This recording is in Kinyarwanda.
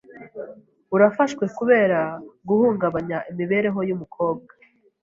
Urafashwe kubera guhungabanya imibereho y’umukobwa.